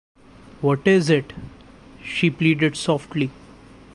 “What is it?” she pleaded softly.